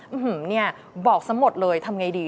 อื้อหือบอกซะหมดเลยทำยังไงดี